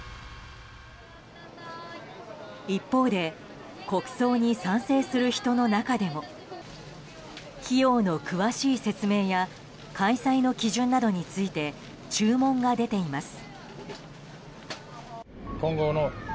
一方で国葬に賛成する人の中でも費用の詳しい説明や開催の基準などについて注文が出ています。